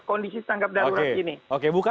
kondisi tanggap darurat ini